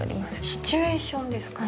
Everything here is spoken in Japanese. シチュエーションですか。